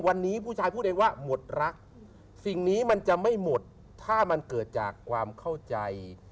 วันนี้ผู้ชายพูดเองว่าหมดรักสิ่งนี้มันจะไม่หมดถ้ามันเกิดจากความเข้าใจ